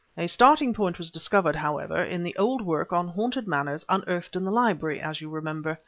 A starting point was discovered, however, in the old work on haunted manors unearthed in the library, as you remember.